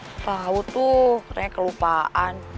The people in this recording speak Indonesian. setelah kamu tuh ternyata kelupaan